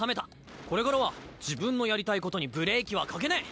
これからは自分のやりたいことにブレーキは掛けねぇ。